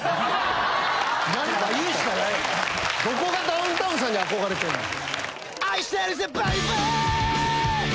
どこがダウンタウンさんに憧れてんねん！